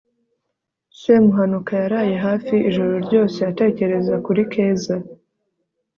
semuhanuka yaraye hafi ijoro ryose atekereza kuri keza